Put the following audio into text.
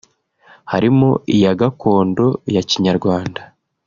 harimo iya gakondo ya Kinyarwanda